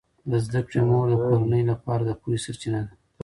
د زده کړې مور د کورنۍ لپاره د پوهې سرچینه ده.